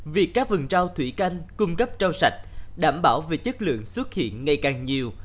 việc các vườn rau thủy canh cung cấp rau sạch đảm bảo về chất lượng xuất hiện ngày càng nhiều